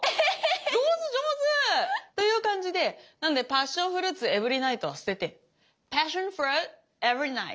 上手上手！という感じでなんで「パッションフルーツエブリナイト」は捨てて「ペッションフルーツエブリナーイ」。